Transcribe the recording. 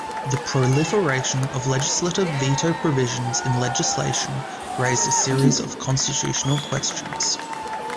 The proliferation of legislative veto provisions in legislation raised a series of constitutional questions.